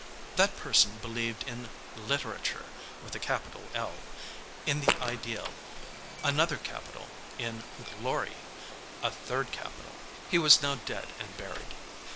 That person believed in Literature with a capital "L;" in the Ideal, another capital; in Glory, a third capital. He was now dead and buried.